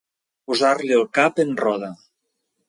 Posar-li el cap en roda.